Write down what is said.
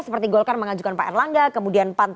seperti golkar mengajukan pak erlangga kemudian pan